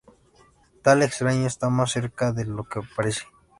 Tal extraño está más cerca de lo que parece.